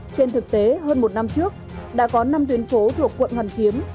trên thực tế hơn một năm trước đã có năm tuyến phố thuộc quận hoàn kiếm